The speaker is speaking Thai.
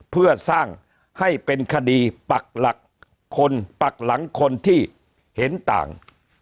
เพื่อสร้างให้เป็นคดีปักหลังคนที่เห็นต่าง